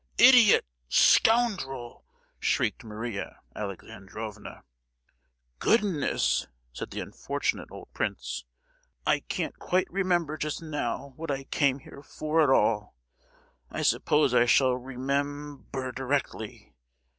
"Idiot! scoundrel!" shrieked Maria Alexandrovna. "Goodness!" said the unfortunate old prince. "I can't quite remember just now what I came here for at all—I suppose I shall reme—mber directly.